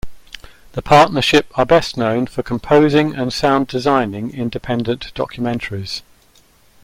The partnership are best known for composing and sound designing independent documentaries.